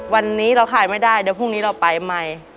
วันนี้เราขายไม่ได้เดี๋ยวพรุ่งนี้เราไปใหม่